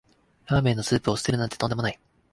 ラーメンのスープを捨てるなんてとんでもない